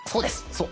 そう。